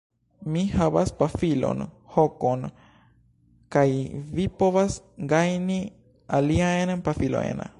Mi havas pafilon, hokon... kaj vi povas gajni aliajn pafilojn.